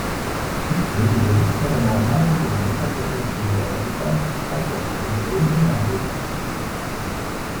Tutti i velivoli erano armati con mitragliatrici Oerlikon al posto delle originarie Vickers.